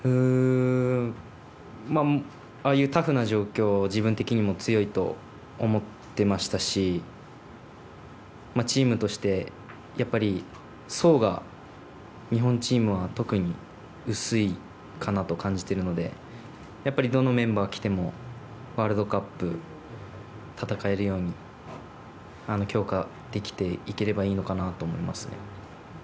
ああいうタフな状況は自分的にも強いと思ってましたしチームとして、やっぱり層が日本チームは特に薄いかなと感じているのでやっぱりどのメンバーがきてもワールドカップ戦えるように強化できていければいいのかなと思いますね。